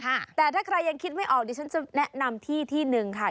แต่ถ้าใครยังคิดไม่ออกดิฉันจะแนะนำที่ที่หนึ่งค่ะ